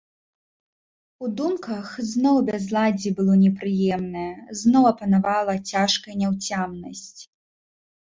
У думках зноў бязладдзе было непрыемнае, зноў апанавала цяжкая няўцямнасць.